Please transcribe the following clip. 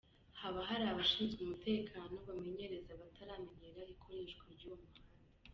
Haba hari abashinzwe umutekano bamenyereza abataramenyera ikoreshwa ry’uwo muhanda.